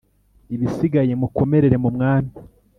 Ibisigaye mukomerere mu mwami